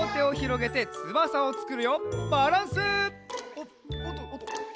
おっとおっとおっと。